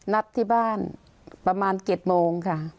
นัดที่บ้านประมาณ๗โมงค่ะ